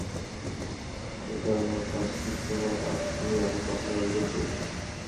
আর এটা আমার পাশ, ঠিক, তোমার পাশ নিয়ে আমি কখনোই অভিযোগ দেইনি।